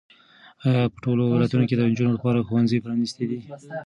ایا په ټولو ولایتونو کې د نجونو لپاره ښوونځي پرانیستي دي؟